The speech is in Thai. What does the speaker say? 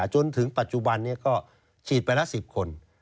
การฉีดยาจนถึงปัจจุบันเนี่ยก็ฉีดไปละสิบคน